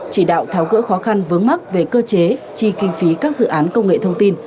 chỉ đạo tháo gỡ khó khăn vướng mắt về cơ chế chi kinh phí các dự án công nghệ thông tin